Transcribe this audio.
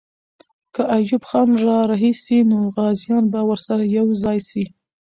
که ایوب خان را رهي سي، نو غازیان به ورسره یو ځای سي.